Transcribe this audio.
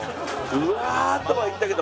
「うわ！」とは言ったけど。